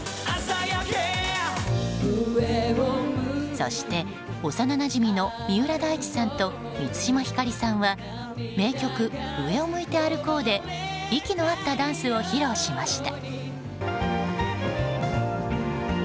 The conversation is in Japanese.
そして、幼なじみの三浦大知さんと満島ひかりさんは名曲「上を向いて歩こう」で息の合ったダンスを披露しました。